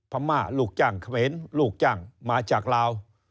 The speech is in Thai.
พม่าลูกจ้างเขมรลูกจ้างมาจากลาว